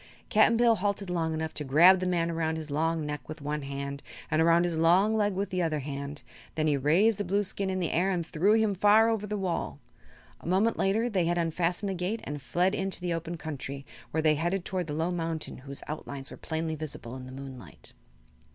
Cap'n Bill halted long enough to grab the man around his long neck with one hand and around his long leg with the other hand. Then he raised the Blueskin in the air and threw him far over the wall. A moment later they had unfastened the gate and fled into the open country, where they headed toward the low mountain whose outlines were plainly visible in the moonlight.